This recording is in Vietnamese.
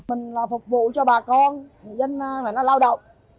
mình là phục vụ cho bà con người dân phải lao động